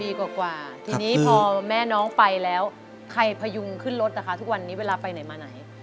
ปีกว่าทีนี้พอแม่น้องไปแล้วใครพยุงขึ้นรถนะคะทุกวันนี้เวลาไปไหนมาไหน